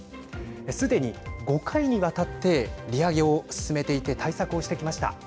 すでに５回にわたって利上げを進めていて対策をしてきました。